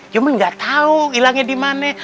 ya emang gak tau kehilangan di mana